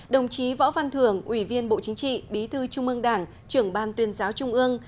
đồng chí võ văn thưởng ủy viên bộ chính trị bí thư trung ương đảng trưởng ban tuyên giáo trung ương